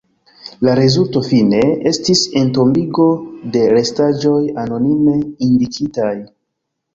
La rezulto, fine, estis entombigo de restaĵoj anonime indikitaj.